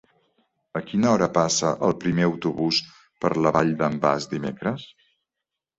A quina hora passa el primer autobús per la Vall d'en Bas dimecres?